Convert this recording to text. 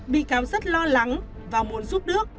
bị cáo rất lo lắng và muốn giúp đức